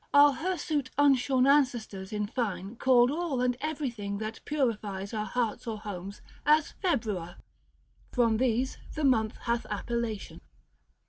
Our hirsute unshorn ancestors in fine Called all and everything that purifies 15 Our hearts or homes as Februa : from these The month hath appellation.